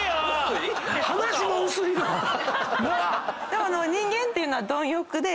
でも人間っていうのは貪欲で。